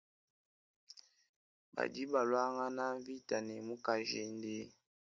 Badi baluangana mvita ne mukajende.